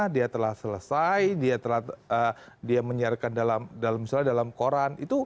dia telah selesai dia menyiarkan dalam misalnya dalam koran